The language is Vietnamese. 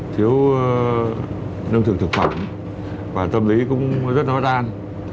thiếu nâng thực thực phẩm và tâm lý cũng rất đói đan